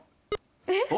えっ！